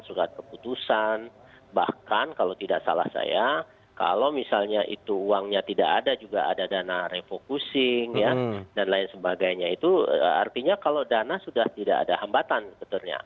surat keputusan bahkan kalau tidak salah saya kalau misalnya itu uangnya tidak ada juga ada dana refocusing dan lain sebagainya itu artinya kalau dana sudah tidak ada hambatan sebetulnya